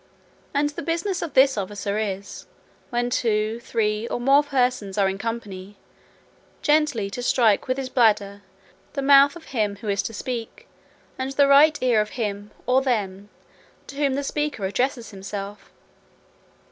And the business of this officer is, when two, three, or more persons are in company, gently to strike with his bladder the mouth of him who is to speak, and the right ear of him or them to whom the speaker addresses himself.